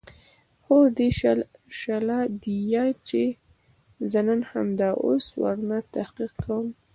خو دى شله ديه چې نه زه همدا اوس ورنه تحقيق کوم.